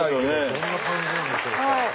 どんな感じなんでしょうか？